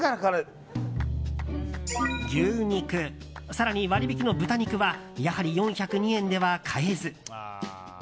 牛肉、更に割引の豚肉はやはり４０２円では買えず。